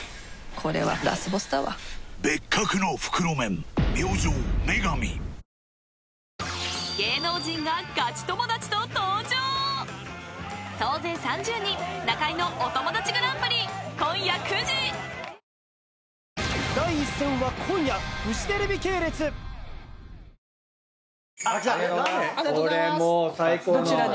これもう最高の。